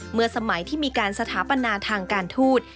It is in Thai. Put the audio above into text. สมัยที่มีการสถาปนาทางการทูต